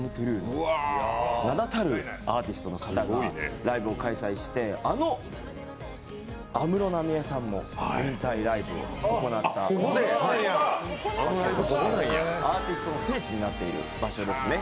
名だたるアーティストの方がライブを開催してあの安室奈美恵さんも引退ライブを行ったアーティストの聖地になっている場所ですね。